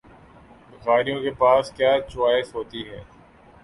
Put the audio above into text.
بھکاریوں کے پاس کیا چوائس ہوتی ہے؟